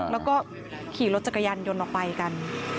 แล้วก็ขี่รถจักรยานยนต์ออกไปกัน